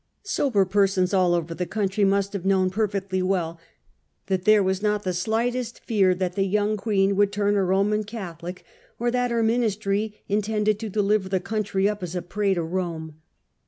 Sober persons all over the country must have known perfectly well that there was not the slightest fear that the young Queen would turn a Homan Catholic, or that her Ministry intended to deliver the country up as a prey to Rome.